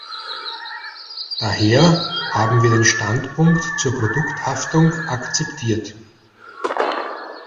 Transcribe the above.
Daher haben wir den Standpunkt zur Produkthaftung akzeptiert.